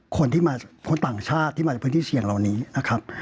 คนที่มาคนต่างชาติที่มาจากพื้นที่เสี่ยงเหล่านี้นะครับ